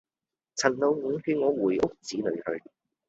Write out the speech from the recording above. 陳老五勸我回屋子裏去。